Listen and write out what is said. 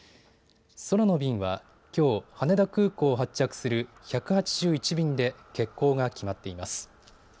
空の便は、きょう羽田空港を発着する１８１便で欠航が決まっています。